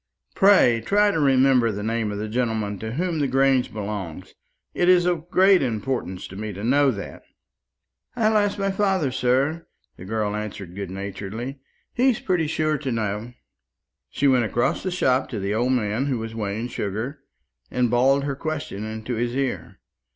"Pray try to remember the name of the gentleman to whom the Grange belongs. It is of great importance to me to know that." "I'll ask my father, sir," the girl answered good naturedly; "he's pretty sure to know." She went across the shop to the old man who was weighing sugar, and bawled her question into his ear.